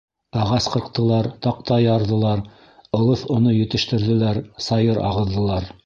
Ағас ҡырҡтылар, таҡта ярҙылар, ылыҫ оно етештерҙеләр, сайыр ағыҙҙылар...